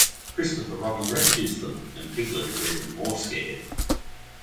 Christopher Robin rescues them and Piglet is even more scared.